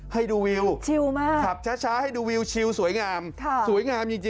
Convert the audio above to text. ให้ดูวิวขับช้าให้ดูวิวซวยงาม